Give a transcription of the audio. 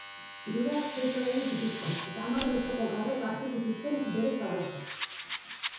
Hirurak sei solairu zituzten eta hamar metroko garrek hartu zituzten bere zabaltzak.